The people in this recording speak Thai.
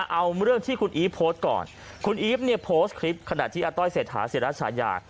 เอาเรื่องที่คุณอีฟโพสต์ก่อนคุณอีฟเนี่ยโพสต์คลิปขณะที่อาต้อยเศรษฐาศิราชายา